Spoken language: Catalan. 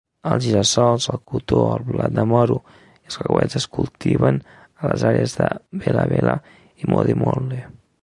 Els gira-sols, el cotó, el blat de moro i els cacauets es cultiven a les àrees de Bela-Bela i Modimolle.